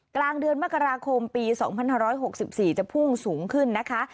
กลางเดือนมกราคมปี๒๕๖๔จะพุ่งสูงขึ้นนะคะ